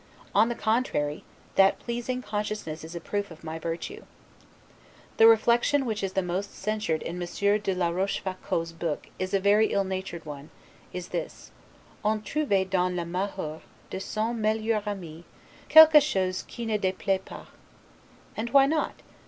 On the contrary, that pleasing consciousness is a proof of my virtue. The reflection which is the most censured in Monsieur de la Rochefoucault's book as a very ill natured one, is this, 'On trouve dans le malheur de son meilleur ami, quelque chose qui ne des plait pas'. And why not?